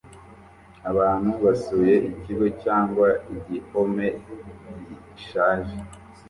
Abantu basuye ikigo cyangwa igihome gishaje